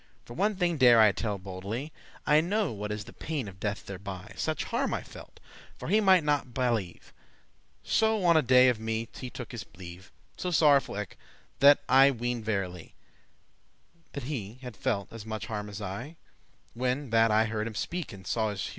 For one thing dare I telle boldely, I know what is the pain of death thereby; Such harm I felt, for he might not byleve.* *stay <33> So on a day of me he took his leave, So sorrowful eke, that I ween'd verily, That he had felt as muche harm as I, When that I heard him speak, and saw his hue.